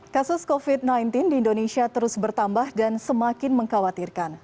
kasus covid sembilan belas di indonesia terus bertambah dan semakin mengkhawatirkan